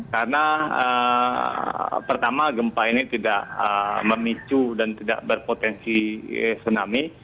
karena pertama gempa ini tidak memicu dan tidak berpotensi tsunami